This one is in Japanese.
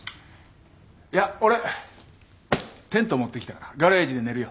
いや俺テント持ってきたからガレージで寝るよ。